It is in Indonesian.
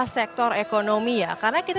sektor ekonomi ya karena kita